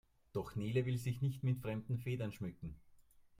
Doch Nele will sich nicht mit fremden Federn schmücken.